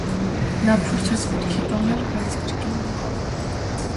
Նա փորձեց ոտքի կանգնել, բայց կրկին ընկավ։